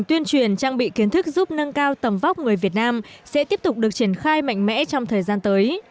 tuyên truyền trang bị kiến thức giúp nâng cao tầm vóc người việt nam sẽ tiếp tục được triển khai mạnh mẽ trong thời gian tới